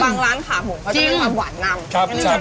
บางร้านขาหมูก็จะเป็นวันหวานนำ